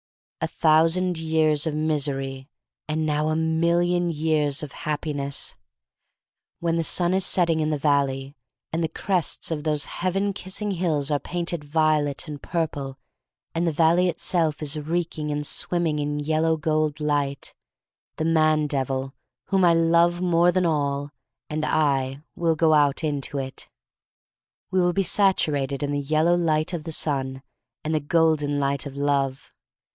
A thousand years of misery — and now a million years of Happiness. When the sun is setting in the' valley and the crests of those heaven kissing hills are painted violet and purple, and the valley itself is reeking and swim ming in yellow gold light, the man devil — whom I love more than all — and I will go out into it. 154 THE STORY OF MARY MAC LANE We will be saturated in the yellow light of the sun and the gold light of Love.